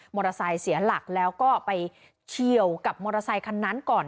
มอเตอร์ไซค์เสียหลักแล้วก็ไปเฉียวกับมอเตอร์ไซคนนั้นก่อน